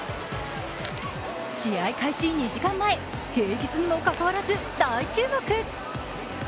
試合開始２時間前、平日にもかかわらず、大注目。